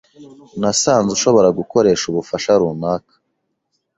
Nasanze ushobora gukoresha ubufasha runaka.